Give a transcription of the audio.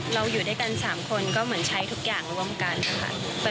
อยู่ด้วยกัน๓คนก็เหมือนใช้ทุกอย่างร่วมกันค่ะ